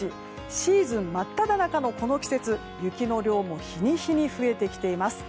シーズン真っただ中のこの季節雪の量も日に日に増えてきています。